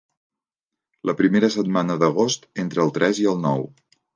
La primera setmana d'agost, entre el tres i el nou.